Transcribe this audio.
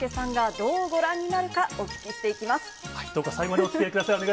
どうか最後までおつきあいください。